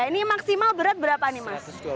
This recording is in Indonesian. ini maksimal berat berapa nih mas